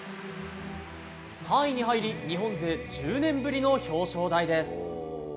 ３位に入り日本勢１０年ぶりの表彰台です。